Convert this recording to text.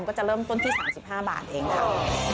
ก็จะเริ่มต้นที่๓๕บาทเองค่ะ